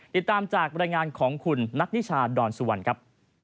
ติดตามจากบรรยายงานของคุณนัทนิชาดอนสุวรรณครับ